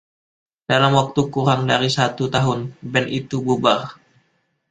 Dalam waktu kurang dari satu tahun, band itu bubar.